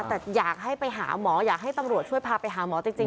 แต่อยากให้ไปหาหมออยากให้ตำรวจช่วยพาไปหาหมอจริง